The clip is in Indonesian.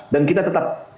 dan kita tetap